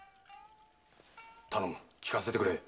頼む聞かせてくれ。